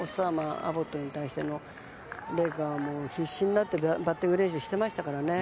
アボットに対しての麗華は、必死になってバッティング練習をしてましたからね。